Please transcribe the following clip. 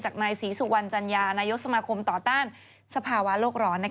นายศรีสุวรรณจัญญานายกสมาคมต่อต้านสภาวะโลกร้อน